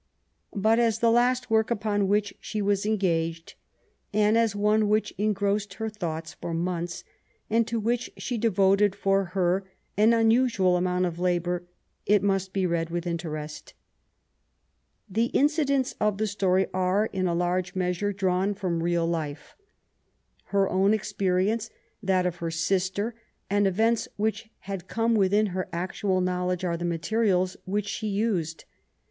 But, as the last work upon which she was engaged, and as one which engrossed her thoughts for months, and to which she devoted, for her, an un usual amount of labour, it must be read with interest. The incidents of the story are, in a large measure. LITERARY WORK. 159 drawn from real life. Her own experience, that of her sister, and events which had come within her actual knowledge, are the materials which she used.